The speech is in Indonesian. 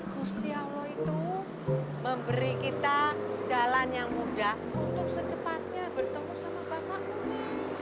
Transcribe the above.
kusti allah itu memberi kita jalan yang mudah untuk secepatnya bertemu sama bapakmu leh